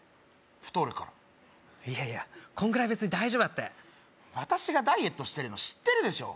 太るからいやいやこんぐらい別に大丈夫だって私がダイエットしてるの知ってるでしょ？